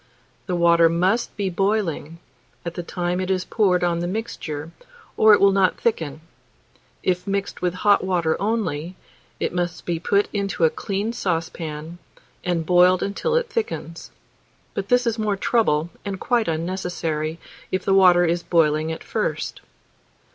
The water must be boiling at the time it is poured on the mixture, or it will not thicken; if mixed with hot water only, it must be put into a clean saucepan, and boiled until it thickens; but this is more trouble, and quite unnecessary if the water is boiling at first.